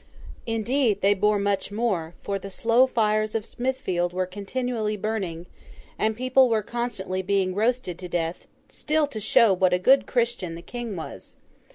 Indeed they bore much more; for the slow fires of Smithfield were continually burning, and people were constantly being roasted to death—still to show what a good Christian the King was.